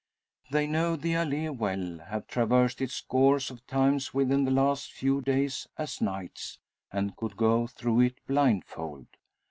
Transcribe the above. They know the allee well; have traversed it scores of times within the last few days, as nights, and could go through it blindfold.